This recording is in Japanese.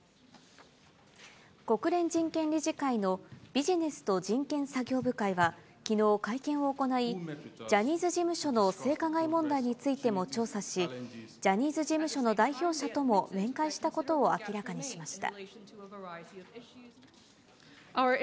国連人権理事会のビジネスと人権作業部会は、きのう会見を行い、ジャニーズ事務所の性加害問題についても調査し、ジャニーズ事務所の代表者とも面会したことを明らかにしました。